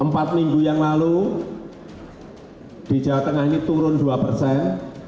empat minggu yang lalu di jawa tengah ini turun dua persen